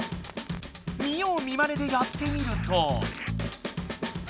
見よう見まねでやってみると？